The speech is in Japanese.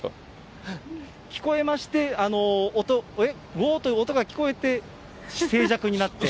聞こえまして、ごーという音が聞こえて、静寂になって。